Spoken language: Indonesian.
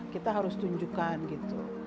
kita harus tunjukkan gitu